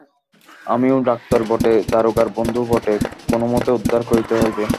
আমি ডাক্তারও বটে, দারোগার বন্ধুও বটে, কোনোমতে উদ্ধার করিতে হইবে।